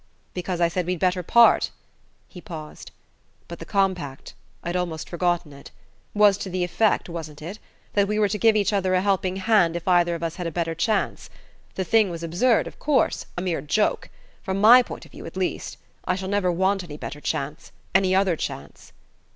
"Because I said we'd better part?" He paused. "But the compact I'd almost forgotten it was to the effect, wasn't it, that we were to give each other a helping hand if either of us had a better chance? The thing was absurd, of course; a mere joke; from my point of view, at least. I shall never want any better chance... any other chance...."